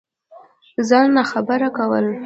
ځان ناخبره كول